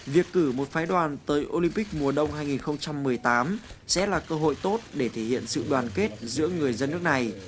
việc cử một phái đoàn tới olympic mùa đông hai nghìn một mươi tám sẽ là cơ hội tốt để thể hiện sự đoàn kết giữa người dân nước này